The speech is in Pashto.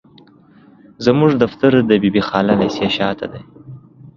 زموږ دفتر د بي بي خالا ليسي شاته دي.